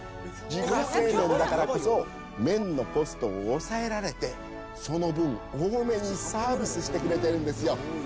「自家製麺だからこそ麺のコストを抑えられてその分多めにサービスしてくれてるんですよ」。